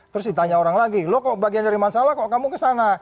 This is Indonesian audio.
terus ditanya orang lagi lo kok bagian dari masalah kok kamu kesana